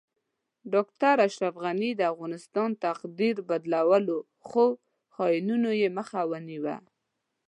ډاکټر اشرف غنی د افغانستان تقدیر بدلو خو خاینانو یی مخه ونیوه